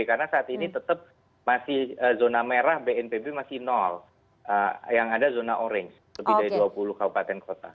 karena saat ini tetap masih zona merah bnpb masih yang ada zona orange lebih dari dua puluh kabupaten kota